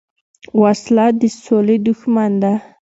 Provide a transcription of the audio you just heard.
وسله د سولې دښمن ده